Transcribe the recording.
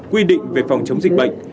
quy định về phòng chống dịch bệnh